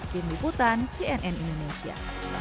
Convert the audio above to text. tim iputan cnn indonesia